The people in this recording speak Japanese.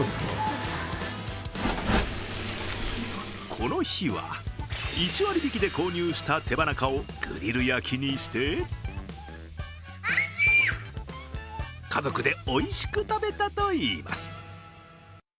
この日は１割引きで購入した手羽中をグリル焼きにして家族でおいしく食べたといいます。